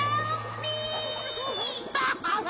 アハハハ！